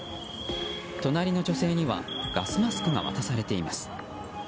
隣の女性にはガスマスクが渡されています。